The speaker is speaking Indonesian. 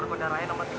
ibu bahagia kamu baik